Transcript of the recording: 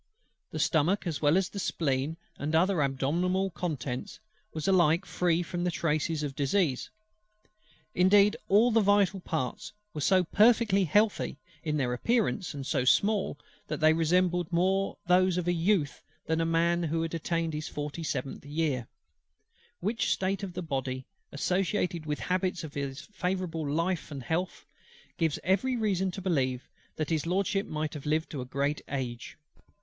The stomach, as well as the spleen and other abdominal contents, was alike free from the traces of disease. Indeed all the vital parts were so perfectly healthy in their appearance, and so small, that they resembled more those of a youth, than of a man who had attained his forty seventh year; which state of the body, associated with habits of life favourable to health, gives every reason to believe that HIS LORDSHIP might have lived to a great age.